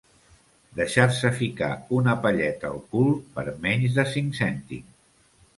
Deixar-se ficar una palleta al cul per menys de cinc cèntims.